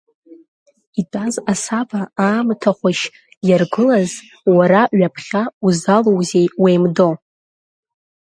Итәаз асаба, аамҭа хәашь иаргылаз, уара ҩаԥхьа узалоузеи уеимдо?